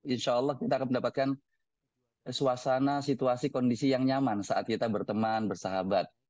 insya allah kita akan mendapatkan suasana situasi kondisi yang nyaman saat kita berteman bersahabat